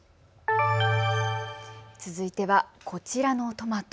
続いてはこちらのトマト。